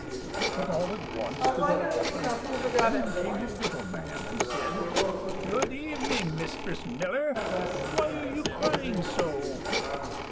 But all at once the door opened, and in came a little man, and said, "Good evening, Mistress Miller; why are you crying so?"